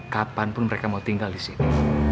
kapan pun mereka mau tinggal disini